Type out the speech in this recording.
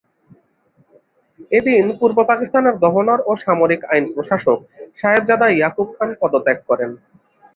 এদিন পূর্ব পাকিস্তানের গভর্নর ও সামরিক আইন প্রশাসক সাহেবজাদা ইয়াকুব খান পদত্যাগ করেন।